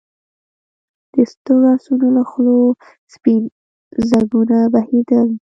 د ستړو آسونو له خولو سپين ځګونه بهېدل.